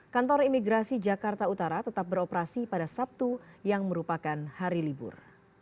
kantor imigrasi jakarta utara tetap beroperasi pada sabtu yang merupakan hari libur